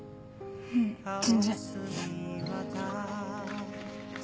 うん全然。